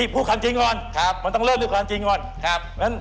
พูดความจริงก่อนมันต้องเริ่มด้วยความจริงก่อน